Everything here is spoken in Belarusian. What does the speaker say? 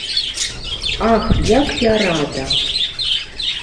Ах, як я рада!